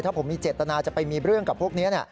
ถ้าผมมีเจตนาจะไปมีเรื่องกับพวกนี้